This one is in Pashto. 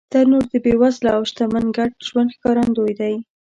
تنور د بېوزله او شتمن ګډ ژوند ښکارندوی دی